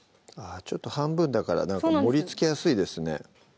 ちょっと半分だからなんか盛りつけやすいですね